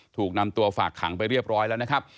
ถูกนำตัวฝากขังไปเรียบร้อยแล้วนะครับ